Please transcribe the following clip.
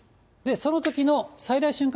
そのときの最大瞬間